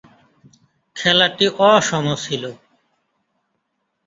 খেলাটি অসম ছিল।